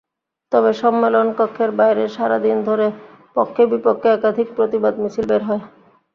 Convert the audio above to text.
তবে সম্মেলনকক্ষের বাইরে সারা দিন ধরে পক্ষে-বিপক্ষে একাধিক প্রতিবাদ মিছিল বের হয়।